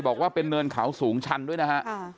บอกว่าเป็นเนินเขาสูงชันด้วยนะฮะ